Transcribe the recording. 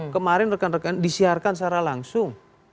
kemarin rekan rekan disiarkan secara langsung